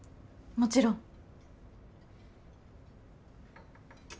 もちろん。